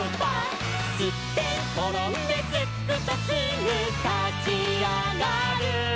「すってんころんですっくとすぐたちあがる」